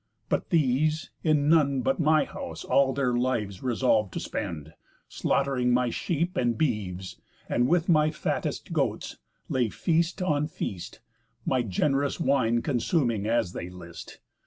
But these, in none but my house, all their lives Resolve to spend; slaught'ring my sheep and beeves, And with my fattest goats lay feast on feast, My gen'rous wine consuming as they list.